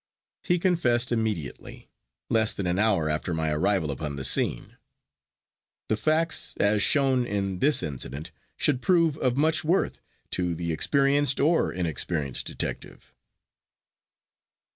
He confessed immediately, less than an hour after my arrival upon the scene. The facts as shown in this incident should prove of much worth to the experienced or inexperienced detective.